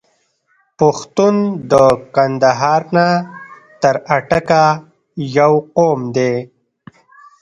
پښتون د کندهار نه تر اټکه یو قوم دی.